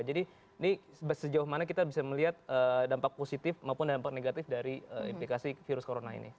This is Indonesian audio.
jadi sejauh mana kita bisa melihat dampak positif maupun dampak negatif dari implikasi virus corona ini